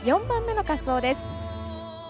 ４番目の滑走です。